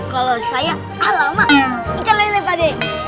kalau saya alamat ikan lele pade